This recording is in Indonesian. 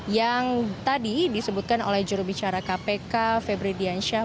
yang tadi disebutkan oleh jurubicara kpk febri diansyah